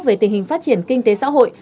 về tình hình phát triển kinh tế xã hội